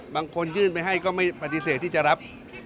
บางคนยื่นไปให้ก็ไม่ปฏิเสธที่จะรับ